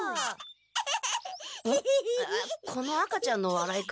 この赤ちゃんのわらい方。